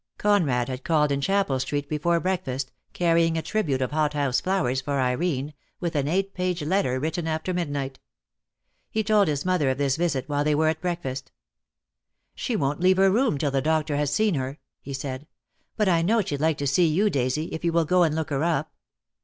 Conrad had called in Chapel Street before break fast, carrying a tribute of hot house flowers for Irene, with an eight page letter WTitten after midnight. He told his mother of this visit while they were at breakfast. "She won't leave her room till the doctor has seen her," he said; "but I know she'd like to see you, Daisy, if you will go and look her up."